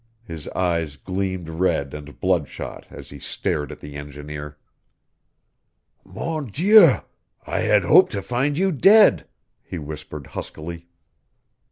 His eyes gleamed red and bloodshot as he stared at the engineer. "Mon Dieu, I had hoped to find you dead," he whispered huskily.